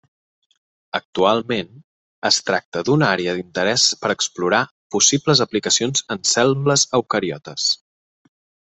Actualment, es tracta d'una àrea d'interès per explorar possibles aplicacions en cèl·lules eucariotes.